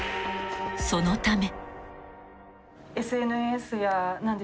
［そのため］